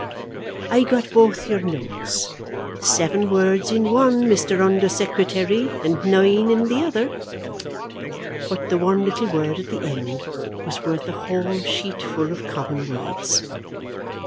I got both your notes; seven words in one, Mr. Under Secretary, and nine in the other! But the one little word at the end was worth a whole sheet full of common words.